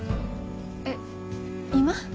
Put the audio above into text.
えっ今？